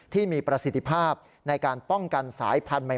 ที่มีประสิทธิภาพในการป้องกันสายพันธุ์ใหม่